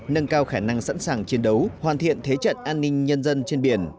nâng cao khả năng sẵn sàng chiến đấu hoàn thiện thế trận an ninh nhân dân trên biển